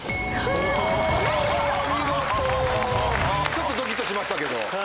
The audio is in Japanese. ちょっとドキっとしましたけど。